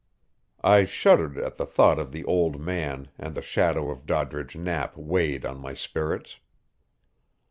I shuddered at the thought of the "old man," and the shadow of Doddridge Knapp weighed on my spirits.